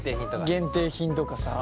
限定品とかさ。